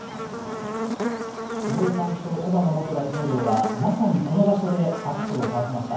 坪井さんとオバマ元大統領は、まさにこの場所で握手を交わしました。